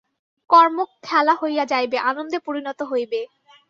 কর্ম খেলা হইয়া যাইবে, আনন্দে পরিণত হইবে।